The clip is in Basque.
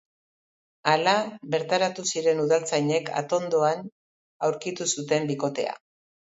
Hala, bertaratu ziren udaltzainek atondoan aurkitu zuten bikotea.